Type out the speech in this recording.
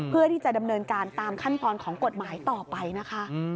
เพื่อที่จะดำเนินการตามขั้นตอนของกฎหมายต่อไปนะคะ